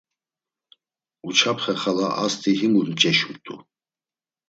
Uçapxe xala ast̆i himu mç̌eşumt̆u.